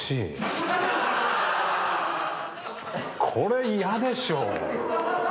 これ嫌でしょ。